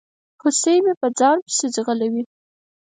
هوسۍ مې په ځان پسي ځغلوي